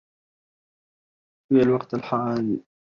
فى الوقت الحالى ليس لدى نقود كافية.